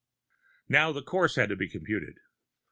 Now the course had to be computed.